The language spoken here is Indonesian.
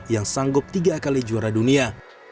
yang sanggup tiga kali juara dunia